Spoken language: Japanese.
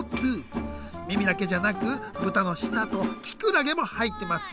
耳だけじゃなく豚の舌ときくらげも入ってます。